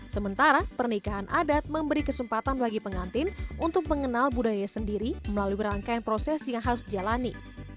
sementara pernikahan adat memberi kesempatan bagi pengantin untuk mengenal budaya sendiri melalui rangkaian proses yang harus dijalani